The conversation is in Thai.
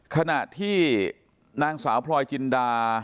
ขณะที่นางสาวพลอยจินดา